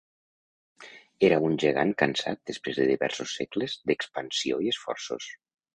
Era un gegant cansat després de diversos segles d'expansió i esforços.